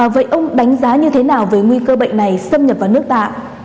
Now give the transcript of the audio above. vậy ông đánh giá như thế nào về nguy cơ bệnh này xâm nhập vào nước ta